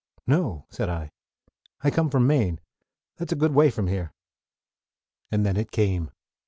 "No," said I. "I come from Maine. That's a good way from here." And then it came.